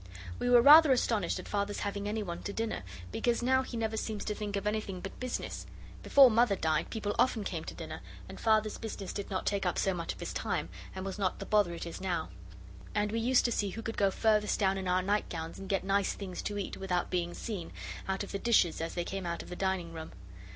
We were rather astonished at Father's having anyone to dinner, because now he never seems to think of anything but business. Before Mother died people often came to dinner, and Father's business did not take up so much of his time and was not the bother it is now. And we used to see who could go furthest down in our nightgowns and get nice things to eat, without being seen, out of the dishes as they came out of the dining room.